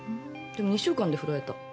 でも２週間で振られた。